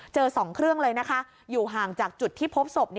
๒เครื่องเลยนะคะอยู่ห่างจากจุดที่พบศพ